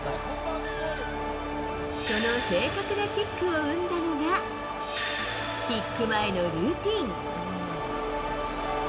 その正確なキックを生んだのが、キック前のルーティン。